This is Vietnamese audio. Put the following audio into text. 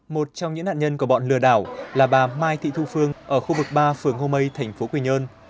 một trong những nạn nhân của bọn lừa đảo là bà mai thị thu phương ở khu vực ba phường ngô mây thành phố quy nhơn